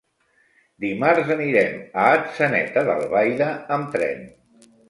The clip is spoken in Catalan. Dimarts anirem a Atzeneta d'Albaida amb tren.